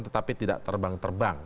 tetapi tidak terbang terbang